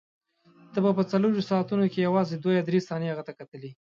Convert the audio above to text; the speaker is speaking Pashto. ته به په څلورویشتو ساعتو کې یوازې دوه یا درې ثانیې هغه ته کتلې.